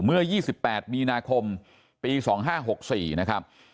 เมื่อ๒๘มีนาคมปี๒๕๖๔นะครับ